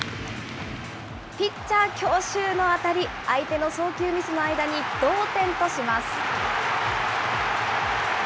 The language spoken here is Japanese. ピッチャー強襲の当たり、相手の送球ミスの間に、同点とします。